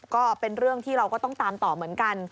ก็เป็นเรื่องที่เราก็ต้องตามต่อเหมือนกัน